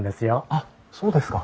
あっそうですか。